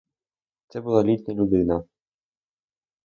Це була літня людина.